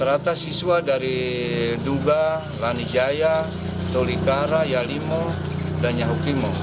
rata siswa dari duba lanijaya tolikara yalimo dan yahukimo